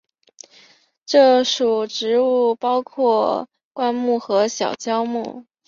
这属植物包括灌木和小乔木。